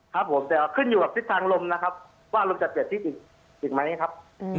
ครับผมแต่ขึ้นอยู่กับทิศทางลมนะครับว่าลมจะเปลี่ยนทิศอีกไหมครับ